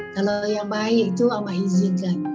kalau yang baik itu mak izinkan